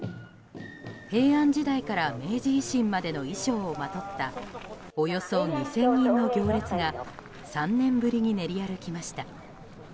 平安時代から明治維新までの衣装をまとったおよそ２０００人の行列が３年ぶりに練り歩きました。